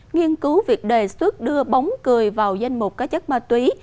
nghiên cứu việc đề xuất đưa bóng cười vào danh mục các chất ma túy